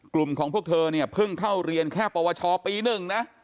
กลุ่มของพวกเธอเนี่ยเพิ่งเข้าเรียนแค่ปวชปี๑นะ